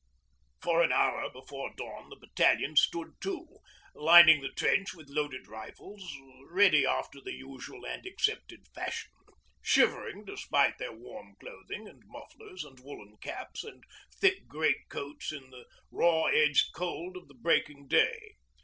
For an hour before dawn the battalion 'stood to,' lining the trench with loaded rifles ready after the usual and accepted fashion, shivering despite their warm clothing and mufflers, and woollen caps and thick great coats in the raw edged cold of the breaking day.